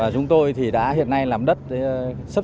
chúng tôi đã chuẩn bị các điều kiện cần thiết khác cho vụ xuân